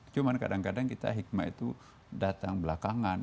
cuma kadang kadang kita hikmah itu datang belakangan